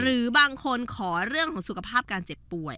หรือบางคนขอเรื่องของสุขภาพการเจ็บป่วย